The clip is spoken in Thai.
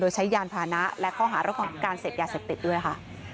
โดยใช้ยานพาณะและข้อหารักษาวิทยาเสพติดด้วยค่ะ